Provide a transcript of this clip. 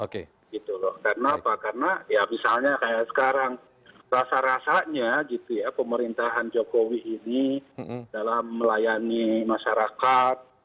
karena apa karena ya misalnya kayak sekarang rasa rasanya gitu ya pemerintahan jokowi ini dalam melayani masyarakat